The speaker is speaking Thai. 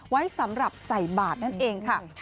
ไว้สำหรับใส่บาทนั่นเองค่ะ